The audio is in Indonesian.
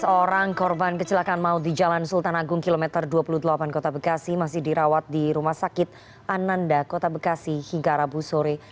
tujuh belas orang korban kecelakaan maut di jalan sultan agung km dua puluh delapan kota bekasi masih dirawat di rumah sakit ananda kota bekasi hingga rabu sore